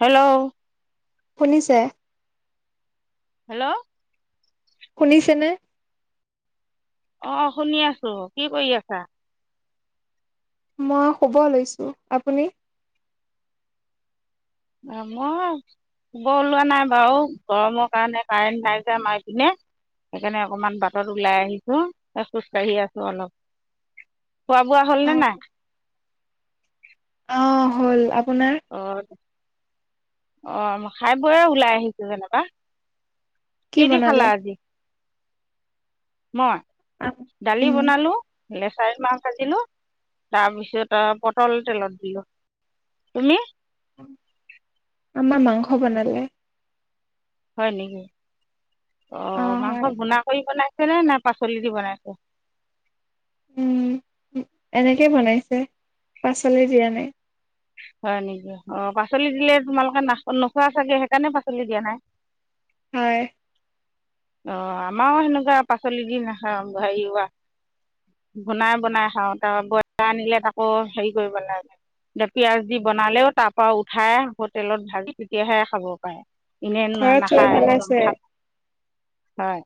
Hello. শুনিছে? Hello. শুনিছেনে? অ' শুনি আছোঁ। কি কৰি আছা? মই শুব লৈছো। আপুনি? আম [unintelligible] শুব ওলোৱা নাই বাৰু গৰমৰ কাৰণে কাৰেণ্ট নাই যেয আমাৰ এইপিনে। সেইকাৰণে অকনমান বাটত ওলাই আহিছোঁ খোজ কঢ়ি আছোঁ অলপ খোৱা বোৱা হ'লনে অ', নাই? অ' হ'ল আ অ' আহ খাই বৈ ওলাই আহিছোঁ যেনিবা। কি দি খালা আজি? মই? দালি উম, বনালো। লেচাৰি মাহ কাটিলো তাৰপিছত আৰু পটল তেলত দিলো। তুমি? আমাৰ মাংস বনালে। হয় নেকি? অ' মাংস ঘুণা কৰি বনাই নে নে পাচলি দি বনাইছে? উম এনেকেই বনাইছে, পাচলি দিয়া নাই। হয় নেকি, অ' পাচলি দিলে তোমালোকে নাখ নোখোৱা চাগে সেইকাৰণে পাচলি দিয়া নাই। হয়। অ' আমাৰো সেনেকুৱা পাচলি দি নাখায় হেৰি ৰোৱা বনাই বনাই খাওঁ, তাৰ বইলাৰ আনিলে তাকো হেৰি কৰিব লাগে এ পিয়াজ দি বনালেও তাৰ পৰা উঠাই হোটেলত ভাজি তেতিয়াহে খাব পাৰে। এনে ঘৰত চবে নাখায় ভালে একদম আছে? ভাত হয়।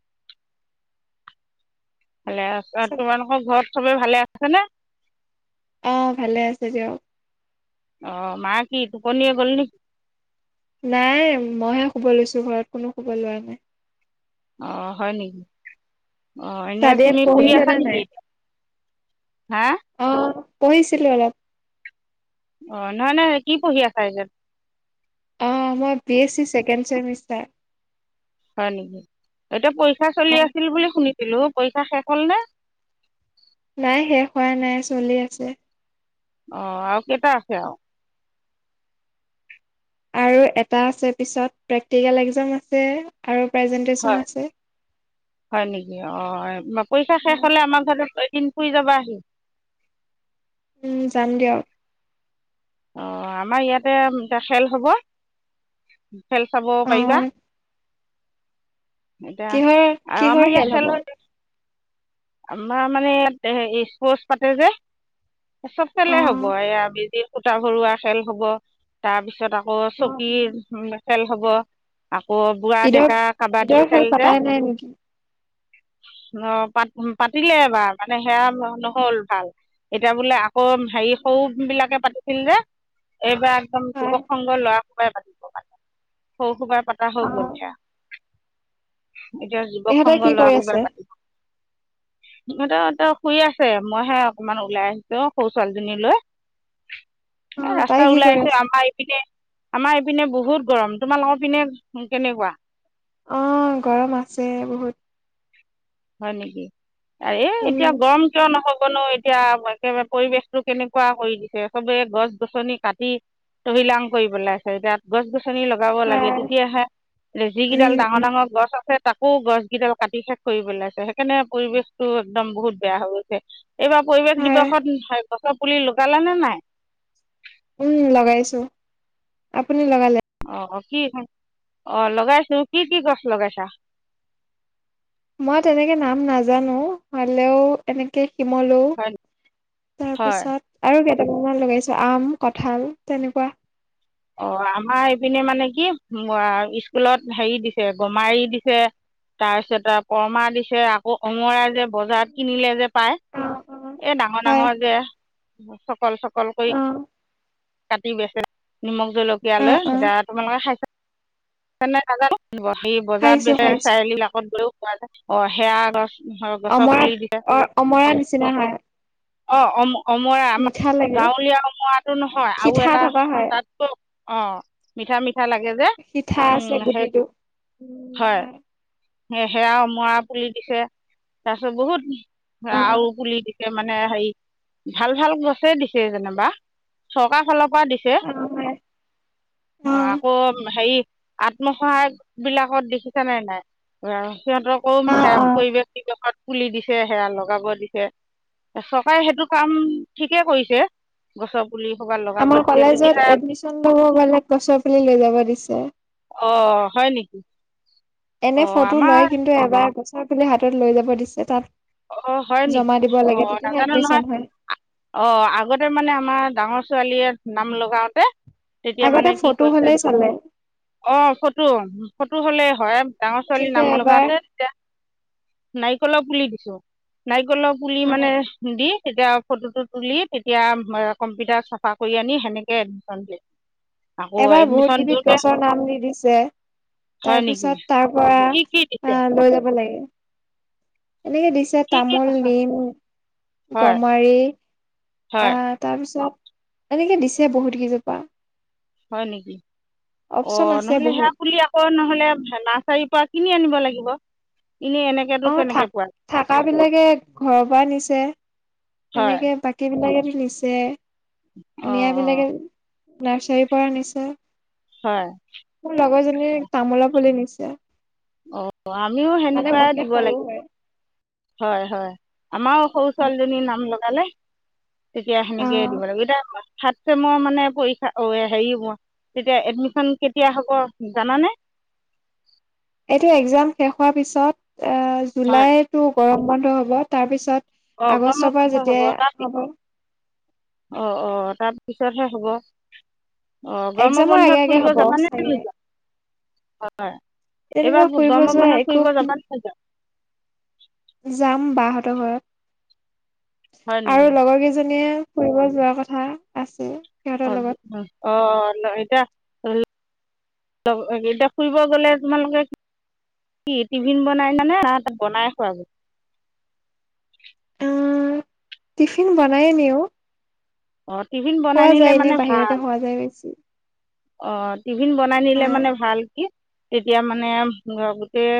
ভালে আছে আৰু তোমালোকৰ ঘৰত চবে ভালে আছে নে? অ', ভালে আছে দিয়ক। অ', মা কি টোপনীয়ে গ'ল নেকি? নাইয়ে মইহে শুব লৈছো ঘৰত কোনো শুব লোৱা নাই। অ', হয় নেকি? অ' এনেই চাদিয়ে তুমি পঢ়ি আছা পঢ়িছেনে নেকি নাই? এতিয়া? হা অ' পঢ়িছিলো অলপ। অ' নহয় নহয় কি পঢ়ি আছা এতিয়া? Second semester. হয় নেকি, এতিয়া পৰীক্ষা চলি আছিল বুলি শুনি ছিলো, পৰীক্ষা শেষ হ'ল নে? নাই শেষ হোৱা নাই চলি আছে। অ' আৰু কেইটা আছে আৰু? আৰু এটা আছে, পিছত প্ৰেক্টিকেল এক্সাম আছে আৰু। হয় প্ৰেজেণ্টেশ্যন আছে। হয় নেকি, অ' পৰীক্ষা শেষ হলে আমাৰ ঘৰত দিন ফুৰি যাবাহি। উম যাম দিয়ক। অ' আমাৰ ইয়াতে এ খেল হব খেল চাব অ পাৰিবা। এতিয়া কিহৰ আৰু আমাৰ কিহৰ ইয়াত খেল হব? হয় আমাৰ মানে ইয়াত স্পৰ্চ পাতে যে চব অ খালে হব, এইয়া বেজিত সূতা ভৰোৱা খেল হব, তাৰপিছত আকৌ হব চকীৰ খেল হব আকৌ বুঢ়া ঈদৰ ডেকা কাবাডী ঈদৰ খেল যে পতাই নাই নেকি? অ পা পাতিলে এবাৰ মানে সেয়া নহল ভাল, এতিয়া বোলে অ' হেৰি সৰু বিলাকে পাতি ছিল যে, এইবাৰ একদম হয় যুৱক সংঘ ল'ৰা সোপাই পাতিব। সৰু সোপাই পতা হৈ গ'ল অ', এতিয়া। এতিয়া যুৱক ইহঁতে কি সংঘ কৰি ল'ৰা আছে? সোপাই পাতিব। সিহঁত শুই আছে, মইহে অকমান ওলাই আহিছো সৰু ছোৱালীজনী লৈ [inaudible] তাই ৰাস্তাত কি ওলাই কৰি আহিছো, আছে? আমাৰ ইপিনে আমাৰ পিনে বহুত গৰম তোমালোকৰ পিনে কেনেকুৱা? আহ গৰম আছে বহুত হয় নেকি উম এতিয়া গৰম কিয় নহব? বনো এতিয়া একেবাৰে পৰিৱেশটো কেনেকুৱা কৰি দিছে চবে গছ গছনি কাটি তহিলাং কৰি পেলাইছে এতিয়া গছ গছ লগাব লাগে হয় তেতিয়াহে যিকেইডাল উম ডাঙৰ উম ডাঙৰ গছ আছে তাক আকৌ গছ কিডাল কাটি শেষ কৰিব লাইছে, সেইকাৰণে পৰিৱেশটো একদম বহুত বেয়া হৈ গৈছে, এইবাৰ পৰিৱেশ হয় দিৱসত গছ পুলি লগালা নে নাই? উম, লগাইছো আপুনি লগালে? অ, ' কিখন অ, ' লগাইছো কি কি গছ লগাইছা? মই তেনেকে নাম নাজানো হলেও এনেকে শিমলো হয় হয় তাৰপিছত আৰু কেইটকামান লগাইছো আম কঁঠাল তেনেকুৱা। অ, ' আমাৰ এইপিনে মানে কি স্কুলত হেৰি দিছে গমাৰি দিছে তাৰপিছত পৰ্মা দিছে আকৌ অঙৰা যে বজাৰত কিনিলে যে পাই এই ডাঙৰ, হয় ডাঙৰ যে চকল চকলকৈ অ কাটি বেচ নিমখ জলকীয়া লৈ অ এতিয়া তোমালোকে খাইছা নাজ সে বজাৰত খাইছো বেচ খাইছো চাৰিআলিাকত গৈও খোৱা যায় অ সেৱা গছ হয়, গছৰ অমৰা পুলি দিছে অ', অমৰা নিচিনা হয়। অ, ' অমৰা, আমাৰ মিঠা লাগে গাঁৱলীয়া অমৰাটো নহয় আৰু সিঠা এটা থকা হয় তাত অ', মিঠা, মিঠা লাগে যে সিঠা আছে উম গুটিটো সেইটো। উম, হয়। সেয়া অমৰা পুলি দিছে তাৰপিছত বহুত অ আৰু পুলি দিছে মানে হেৰি ভাল, ভাল গছে দিছে যেনবা চৰকাৰ ফলৰ দিছে অ হয় অ অ', আকৌ হেৰি আত্মসহায়ক বিলাকত দেখিছা নাই, নাই ব সিহঁতকো অ সেয়া অ পৰিৱেশ নিৱেশত খুলি দিছে সেয়া লগাব দিছে। চৰকাৰে সেইটো কাম ঠিকে কৰিছে, গছৰ পুলি সোপা লগাব আমাৰ দিছে তেতিয়া কলেজত এডমিশন লব গলে গছৰ পুলি লৈ যাব দিছে। অ, ' হয় নেকি? এনে অঁ ফটো আমাৰ লয় কিন্তু এবাৰ গছৰ পুলি হাতত লৈ যাব দিছে তাত অ, হয় জমা নেকি দিব অ, লাগে তেতিয়াহে নাজানো এডমিশন নহয়। হয় অ, আগতে মানে আমাৰ ডাঙৰ ছোৱালীয়ে নাম লগাওতে তেতিয়া মানে আগতে কি ফটো কৈছে হলেই চলে অ ফটো ফটো হলে হয়। ডাঙৰ ছোৱালীৰ কিন্তু নাম এবাৰ লগাতে তেতিয়া নাৰিকলৰ পুলি দিছো নাৰ গলপ পুলি মানে দি তেতিয়া ফটোটো তুলি তেতিয়া কম্পিউটাৰ চাফা কৰি আনি সেনেকে এডমিশন দিয়ে। আকৌ এবাৰ বহুত এডমিশ্যন কেবিধ দিওঁতে গছৰ নাম নি দিছে। হয় নেকি তাৰপিছত তাৰ পৰা কি কি দিছে আহ লৈ যাব লাগে। এনেকে দিছে কি কি তামোল, নিম, হয় গমাৰি হয় আহ তাৰ পিছত এনেকে দিছে বহুত কেইজোপা। হয় নেকি? অ, অপচন আছে নহলে সেয়া বহুত বুলি আকৌ নহলে নাৰ্চাৰীৰ পৰা কিনি আনিব লাগিব। এনেই এনেকেতো অ, কেনেকে পোৱা থা-থাকা বিলাকে ঘৰৰ পৰা নিছে। হয় এনেকে বাকী বিলাকে নিছে, অ অ নিয়াবিলাকে নাৰ্চাৰীৰ পৰা আনিছে। হয়। মোৰ লগৰজনীৰ তামোলাৰ পুলি নিছে। অ আমিও মানে সেনেকুৱাই মোতকে দিব সৰু লাগিব হয়। হয় হয় আমাৰ সৰু ছোৱালীজনী নাম লগালে। তেতিয়া সেনেকে অ দিব লাগিব এতিয়া থাৰ্ড ছেমৰ মানে পৰীক্ষা অ হেৰি হ'ব। তেতিয়া এডমিচন কেতিয়া হ'ব জানানে? [inaudible] এইটো একজাম শেষ হোৱাৰ পিছত এ হয় জুলাইতটো গৰম বন্ধ হ'ব তাৰ অঁ পিছত গৰমৰ আগষ্টৰ পৰা যেতিয়া হ'ব। অ অ তাৰপিছতহে হ'ব। অ গৰম এক্জামৰ আগে বন্ধত আগে ফুৰিব হ'ব যাবানে চাগে নোযোৱা? হয়। তেনেকুৱা এইবাৰ ফুৰিব গৰমৰ যোৱা বন্ধত একো ফুৰিব যাবা নে নোযোৱা? যাম বাহঁতৰ ঘৰত হয় আৰু নেকি লগৰ কেইজনীয়ে ফুৰিব যোৱাৰ কথা আছে। সিহঁতৰ লগত অঁ, অঁ, এতিয়া এতিয়া ফুৰিব গ'লে তোমালোকে কি টিভিন বনাই নিয়া নে বনাই খোৱাগৈ? টিফিন বনাইয়ে নিউ। অঁ টিফিন বনাই খোৱা নিলে যায় এনে বাহিৰতে খোৱা যায় বেছি। অ টিফিন বনাই নিলে হয় মানে ভাল কি তেতিয়া মানে গোটেই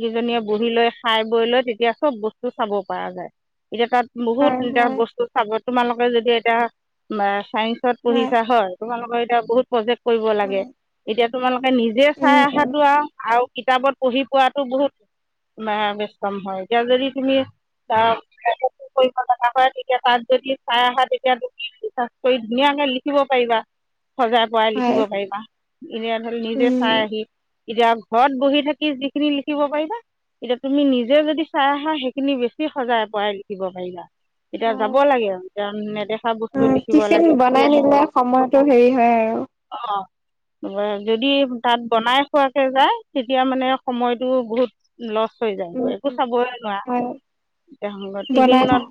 কেইজনীয়ে বুহি লৈ খাই বৈ লৈ তেতিয়া চব বস্তু চা ব পাৰা যায়। এতিয়া তাত বহুত হয় এতিয়া হয় বস্তু চাব তোমালোকে যদি এতিয়া চাইন্স ত পঢ়িছা হয়, তোমালোকৰ এতিয়া বহুত প্ৰজেক্ট কৰিব লাগে। এতিয়া তোমালোকে নিজে চাই উম উম অহাতো আৰু কিতাপত পঢ়ি পোৱাতো বহুত ম বছম হয়, এতিয়া যদি তুমি কৰিব লগা হয়, তেতিয়া তাত যদি চাই আহা তেতিয়া তুমি ৰিচাৰ্জ কৰি ধুনীয়া লিখিব পাৰিবা। সজাই পৰাই লিখিব হয় পাৰিবা এনে ধৰি নিজে উম চাই আহি এতিয়া ঘৰত বহি থাকি যিখিনি লিখিব পাৰিবা এতিয়া তুমি নিজে যদি চাই আহা সেইখিনি বেছি সজাই পৰাই লিখিব পাৰিবা। এতিয়া যাব হয়। লাগে আৰু এতিয়া নেদেখা বস্তু দেখিব টিফিন লাগে বনাই তেতিয়াহে নিলে সময়তটো হেৰি হয় আৰু। অঁ। যদি তাত বনাই খোৱাকে যায় তেতিয়া মানে সময়তটো বহুত লছ চ হৈ যায়, উম একো উম চাবয়ে নোৱাৰা। হয় বনাই টিভিনত, থাক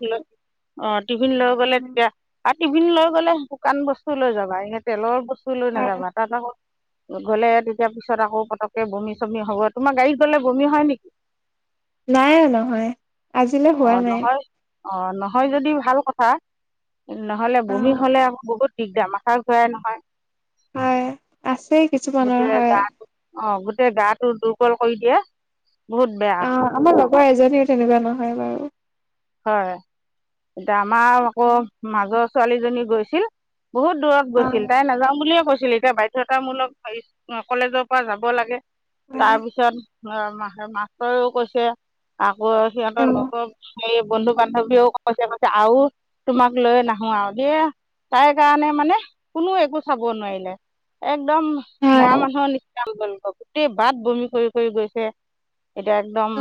অ', টিভিন লৈ গলে তেতিয়া তাত টিভিন লৈ গ'লে শুকান বস্তু লৈ যাবা এনে তেলৰ বস্তু লৈ হয় নাযাবা, তাত আক গ'লে তেতিয়া পিছত আকৌ পতককে বমি চমি হ'ব। তোমাৰ গাড়ীত গলে বমি হয় নেকি? নাই নহয়, আজিলৈ হোৱা নাই। অ', নহয় যদি ভাল কথা, নহলে অ বমি হলে আকৌ বহুত দিগদাৰ, মাথা ঘোৰাই নহয়। হয়, আছে কিছুমানৰ, হয়। অ', গোটেই গাটো দুৰ্বল কৰি দিয়ে। বহুত বেয়া। অ আমাৰ এজনীও তেনেকুৱা নহয় বাৰু। হয়, এতিয়া আমাৰ আকৌ মাজৰ ছোৱালীজনী গৈছিল বহুত দূৰত অ গৈছিল তাই নাযাওঁ বুলিয়ে কৈছিল, এতিয়া বাধ্যতামূলক কলেজৰ পৰা যাব লাগে। হয় তাৰপিছত মাষ্টৰেও কৈছে, আক অ সিহঁতৰ লগৰ সেই বন্ধু বান্ধৱীয়েও কৈছে কৈছে আৰু তোমাক লৈ নাহো আৰু দিয়া। তাই কাৰণে মানে কোনো একো চাব নোৱাৰিলে, এক একদম হয় মৰা মানুহৰ নিচনা হৈ গল গোটেই বাট বমি কৰি কৰি গৈছে। এতিয়া একদম অ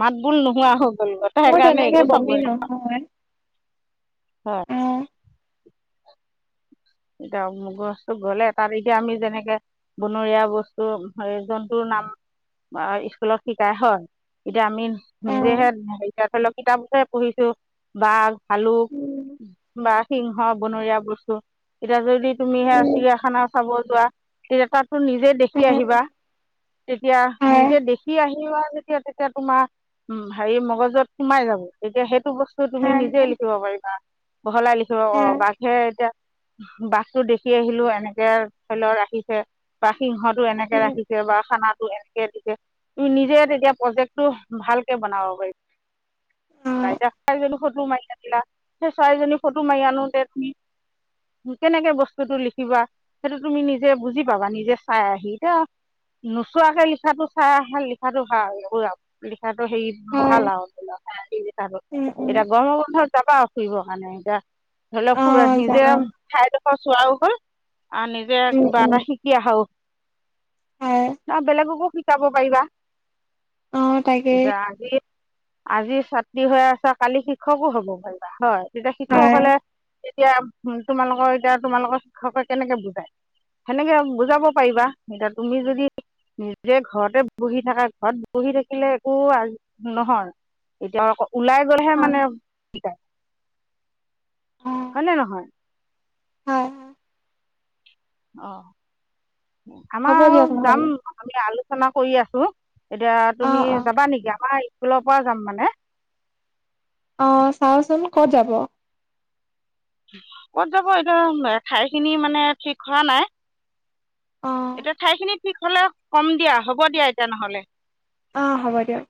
মাতবোল নোহোৱা হ'ল। [unintelligible] তাই মোৰ সেইকাৰণে তেনেকে একো চাবই বমি [unintelligible] নহয় হয়। অ এতিয়া গছো গলে তাতকে আমি যেনেকে বনৰীয়া বস্তু হ জন্তুৰ [unintelligible] স্কুলত শিকাই হয়। এতিয়া আমি অ নিজেহে এতিয়া ধৰি লওক কিতাপকে পঢ়িছো বাঘ ভালুক উম বা সিংহ বনৰীয়া বস্তু এতিয়া যদি তুমি সেয়া উম চিৰিয়াখানা চাব যোৱা তেতিয়া তাত ত নিজে উম দেখি আহিবা। তেতিয়া হয় নিজে দেখি আহিবা যেতিয়া তেতিয়া তোমাৰ উম, হেৰি মগজত সোমাই যাব তেতিয়া সেই তো বস্তু তুমি হয় নিজে লিখিব পাৰিবা বহলাই লিখিব প, হয় বাঘে এতিয়া বাঘটো দেখি আহিলো এনেকে ধৰি ল ৰাখিছে বা সিংহ টো এনেকে উম ৰাখিছে বা খানাটো এনে [unintelligible] তুমি নিজে তেতিয়া প্ৰজেক্টটো ভালকে বনাব অ পাৰিবা। [unintelligible] ফটো মাৰি আনিলা, সেই চৰাইজনী ফটো মাৰি আনোতে তুমি কেনেকে বস্তুটো লিখিবা সেইটো তুমি নিজে বুজি পাবা নিজে চাই আহি, এতিয়া নোচোৱাকে লিখাটো, চাই আহি লিখাটো ভাল। ঠটো হেৰি হয় ভাল আৰু [unintelligible] উম উম এতিয়া গৰমৰ বন্ধত যাবা আৰু ফুৰিবৰ কাৰণে এতিয়া ধৰি অ লওকু নিজে যাম ঠাইডখৰ চোৱাও হল আৰু নিজে উম কিবা উম এটা শিকি আহাও হয় ন বেলেগকো শিকাব পাৰিবা। অ তাকেই এতিয়া আজি আজি ছাত্ৰী হৈ আছা, কালি শিক্ষকো হ'ব পাৰিবা, হয়। তেতিয়া শিক্ষক হয় সকলে এতিয়া তোমালোকৰ এতিয়া তোমালোকৰ শিক্ষকে কেনেকে বুজায়? সেনেকে বুজাব পাৰিবা এতিয়া তুমি যদি নিজে ঘৰতে বহি থাকা ঘৰত বহি থাকিলে একো নহয়। এতিয়া আকৌ ওলাই গলেহে অ মানে কি অ হয় নে নহয়? হয়, হয়। অ', হ'ব আমাৰ দিয়ক নহ'লে যাম আমি আলোচনা কৰি আছোঁ। এতিয়া তুমি অ', অ', যাবা নেকি? আমাৰ স্কুলৰ পৰা যাম মানে। অহ, চাওচোন। ক'ত যাব? ক'ত যাব এইটো ঠাই খিনি মানে ঠিক হোৱা নাই। এতিয়া ঠাইখিনি ঠিক হলে কম দিয়া হ'ব দিয়া এতিয়া নহলে। অ', হ'ব দিয়ক।